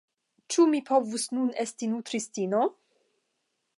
ĉu mi povus nun esti nutristino?